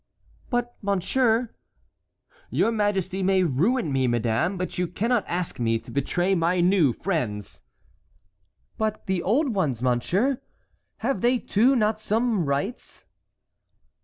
"But, monsieur"— "Your majesty may ruin me, madame, but you cannot ask me to betray my new friends." "But the old ones, monsieur, have they too not some rights?"